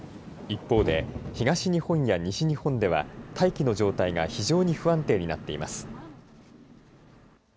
一方で、東日本や西日本では大気の状態が非常に不安定になっています。